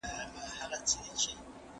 جمهورو فقهاوو د شغار نکاح باطله ګڼلې ده